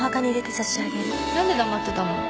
何で黙ってたの？